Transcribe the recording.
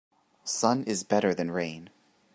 Sun is better than rain.